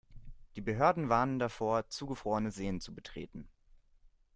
Die Behörden warnen davor, zugefrorene Seen zu betreten.